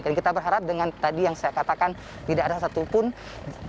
dan kita berharap dengan tadi yang saya katakan tidak ada satupun ambulans yang diberikan